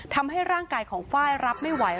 ทำให้ร่างกายของไฟล์รับไม่ไหว